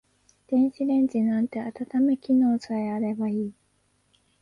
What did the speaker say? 電子レンジなんて温め機能さえあればいい